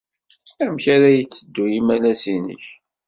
Amek ay la yetteddu yimalas-nnek?